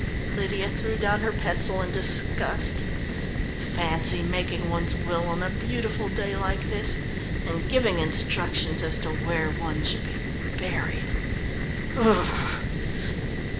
Lydia threw down her pencil in disgust. "Fancy making one's will on a beautiful day like this, and giving instructions as to where one should be buried.